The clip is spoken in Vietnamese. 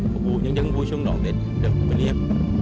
phục vụ nhân dân vui chung đón tết đồng hồn liên hiệp